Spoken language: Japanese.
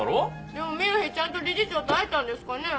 でもミルヒーちゃんと理事長と会えたんですかね？